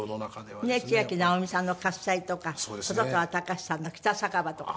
ちあきなおみさんの『喝采』とか細川たかしさんの『北酒場』とか。